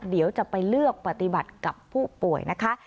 เดี๋ยวจะไปเลือกปฏิบัติกับผู้ป่วยนะคะ